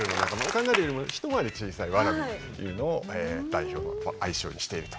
カンガルーよりも一回り小さいワラビーというのを代表の愛称にしていると。